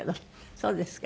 そうですか。